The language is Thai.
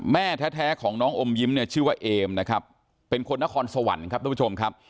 แม่แท้ของน้องอมยิ้มเนี่ยชื่อว่าเอมนะครับเป็นคนนครสวรรค์ครับทุกผู้ชมครับ